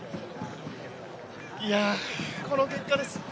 いやこの結果です！